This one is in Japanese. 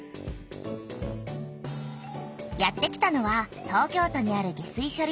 やってきたのは東京都にある下水しょ